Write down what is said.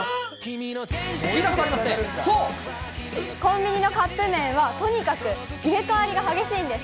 コンビニのカップ麺は、とにかく入れ代わりが激しいんです。